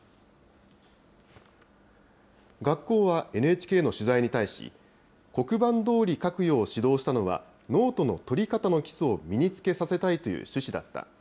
学校はＮＨＫの取材に対し、黒板どおり書くよう指導したのは、ノートの取り方の基礎を身につけさせたいという趣旨だった。